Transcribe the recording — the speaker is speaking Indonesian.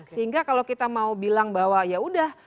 sehingga kalau kita mau bilang bahwa ya udah